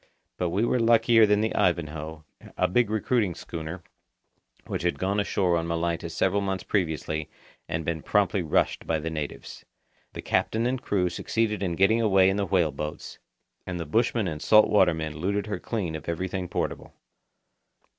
But we were luckier than the Ivanhoe, a big recruiting schooner, which had gone ashore on Malaita several months previously and been promptly rushed by the natives. The captain and crew succeeded in getting away in the whale boats, and the bushmen and salt water men looted her clean of everything portable.